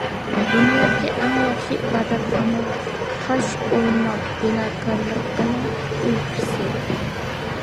دۇنيادىكى ئەڭ ياخشى ئىبادەتخانا تاش ئويما بىناكارلىقىنىڭ ئۈلگىسى.